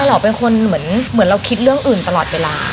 เราเป็นคนเหมือนเราคิดเรื่องอื่นตลอดเวลา